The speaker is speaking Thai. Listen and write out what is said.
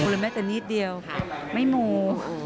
กลุ่มแม่แต่นิดเดียวไม่มู